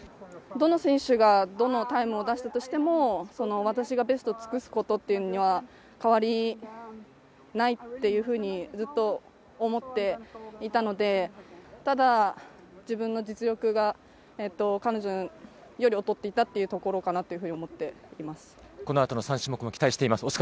どの選手がどのタイムを出したとしても、私がベストを尽くすことには、変わりないっていうふうにずっと思っていたので、ただ自分の実力が彼女より劣っていたというところかなと思っていこのあとの３種目も期待しています。